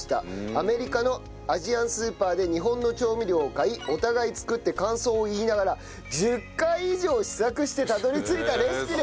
アメリカのアジアンスーパーで日本の調味料を買いお互い作って感想を言いながら１０回以上試作してたどり着いたレシピです！